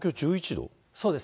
そうです。